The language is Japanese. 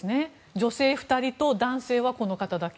女性２人と男性はこの方だけ。